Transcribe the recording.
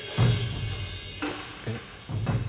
えっ。